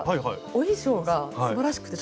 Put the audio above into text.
お衣装がすばらしくて。